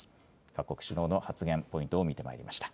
各国首脳の発言、ポイントを見てまいりました。